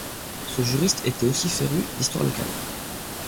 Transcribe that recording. Ce juriste était aussi féru d'histoire locale.